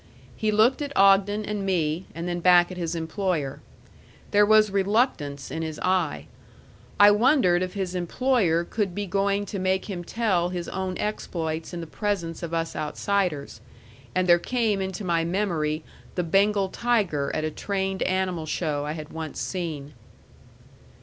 He looked at Ogden and me, and then back at his employer. There was reluctance in his eye. I wondered if his employer could be going to make him tell his own exploits in the presence of us outsiders; and there came into my memory the Bengal tiger at a trained animal show I had once seen.